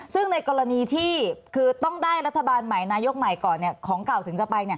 ซึ่งในกรณีที่คือต้องได้รัฐบาลใหม่นายกใหม่ก่อนของเก่าถึงจะไป